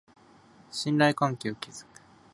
信頼関係を築く